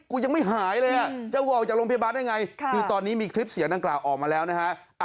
ยังไม่หายเลยจะวอลจากโรงพยาบาลได้ไงคือตอนนี้มีคลิปเสียงดังกล่าวออกมาแล้วนะฮะ